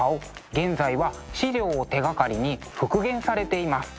現在は資料を手がかりに復元されています。